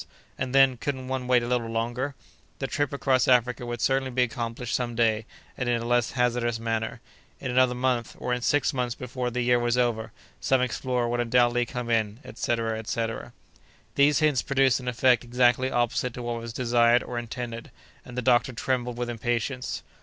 —And then, couldn't one wait a little longer?—The trip across Africa would certainly be accomplished some day, and in a less hazardous manner.—In another month, or in six months before the year was over, some explorer would undoubtedly come in—etc., etc. These hints produced an effect exactly opposite to what was desired or intended, and the doctor trembled with impatience.